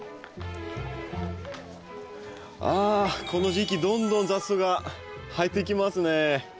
ああこの時期どんどん雑草が生えてきますね。